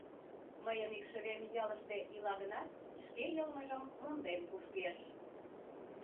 Мыйын икшывем ялыште ила гынат, шке йылмыжым монден кушкеш.